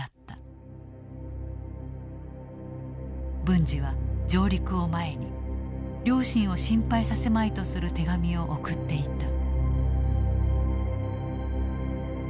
文次は上陸を前に両親を心配させまいとする手紙を送っていた。